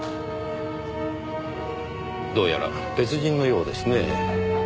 どうやら別人のようですねぇ。